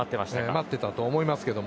待っていたと思いますけど。